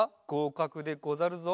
かくでござるぞ。